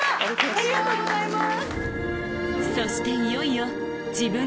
ありがとうございます。